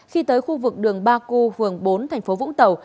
khi tới khu vực đường ba cư hường bốn tp vũng tàu